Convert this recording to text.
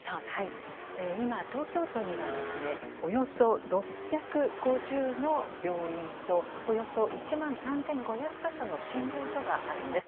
今、東京都にはおよそ６５０の病院とおよそ１万３５００か所の診療所があるんです。